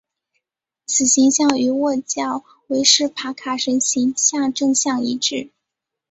此形象与祆教维施帕卡神形像正相一致。